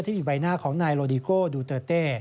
ที่มีใบหน้าของนายโลดิโก้ดูเตอร์เต้